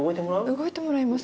動いてもらいます？